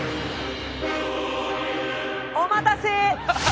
お待たせ！